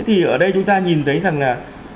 thì ở đây chúng ta nhìn thấy rằng là